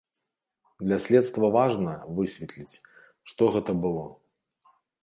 Для следства важна, высветліць, што гэта было.